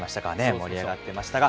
盛り上がってましたが。